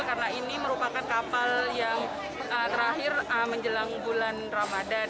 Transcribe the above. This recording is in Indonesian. karena ini merupakan kapal yang terakhir menjelang bulan ramadan